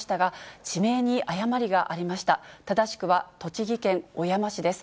正しくは栃木県小山市です。